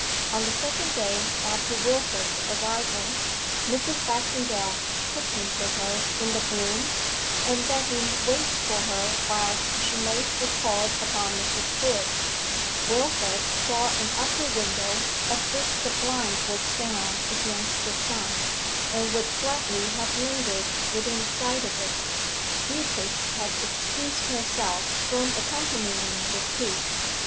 On the second day after Wilfrid's arrival Mrs. Baxendale took him with her in the brougham, and let him wait for her whilst she made a call upon Mrs. Hood; Wilfrid saw an upper window of which the blind was down against the sun, and would gladly have lingered within sight of it. Beatrice had excused herself from accompanying the two.